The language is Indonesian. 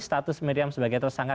status miriam sebagai tersangka